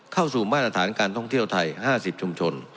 เข้าสู่มาตรฐานการท่องเที่ยวไทย๕๐ชุมชน